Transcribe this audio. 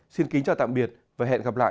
xin kính chào tạm biệt và hẹn gặp lại